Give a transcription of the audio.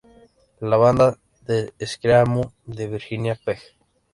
La banda de screamo de Virginia "Pg.